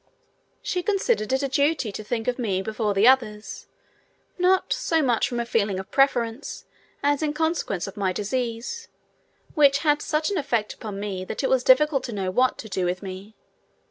She considered it a duty to think of me before the others, not so much from a feeling of preference as in consequence of my disease, which had such an effect upon me that it was difficult to know what to do with me.